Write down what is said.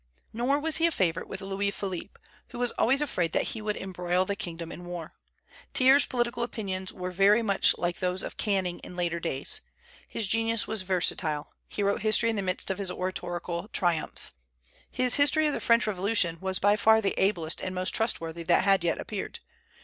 Nor was he a favorite with Louis Philippe, who was always afraid that he would embroil the kingdom in war. Thiers' political opinions were very much like those of Canning in later days. His genius was versatile, he wrote history in the midst of his oratorical triumphs. His History of the French Revolution was by far the ablest and most trustworthy that had yet appeared.